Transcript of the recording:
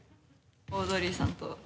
「オードリーさんと」